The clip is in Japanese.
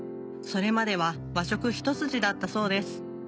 それまでは和食一筋だったそうです